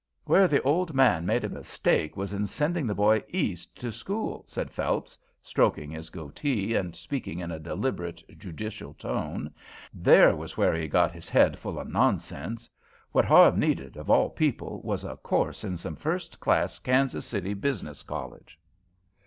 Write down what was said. "Where the old man made his mistake was in sending the boy East to school," said Phelps, stroking his goatee and speaking in a deliberate, judicial tone. "There was where he got his head full of nonsense. What Harve needed, of all people, was a course in some first class Kansas City business college."